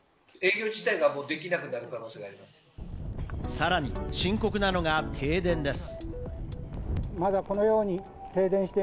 さらに深刻なのが停電です。